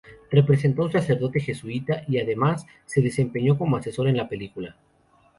Representó a un sacerdote jesuita y además, se desempeñó como asesor en la película.